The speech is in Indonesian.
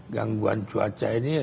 gangguan cuaca ini